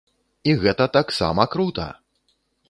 І гэта таксама крута!